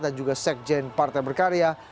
dan juga sekjen partai berkarya